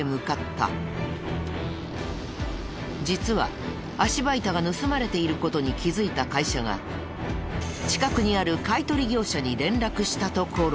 実は足場板が盗まれている事に気づいた会社が近くにある買取業者に連絡したところ。